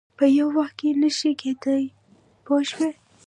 په یو وخت کې نه شي کېدای پوه شوې!.